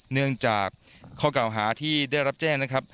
เนื่องจากข้อเก่าหาที่ได้รับแจ้งนะครับ